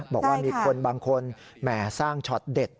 บอกว่ามีคนบางคนแหมสร้างช็อตเด็ด